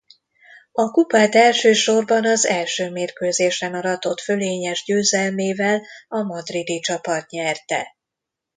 A kupát elsősorban az első mérkőzésen aratott fölényes győzelmével a madridi csapat nyerte.